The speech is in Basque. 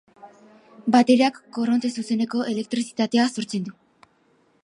Bateriak korronte zuzeneko elektrizitatea sortzen du.